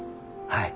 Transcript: はい。